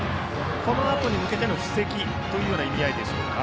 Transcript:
このあとへ向けての布石ということでしょうか。